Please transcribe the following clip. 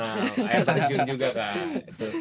air terjun juga kan